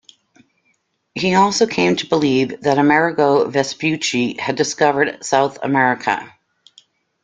He also came to believe that Amerigo Vespucci had discovered South America.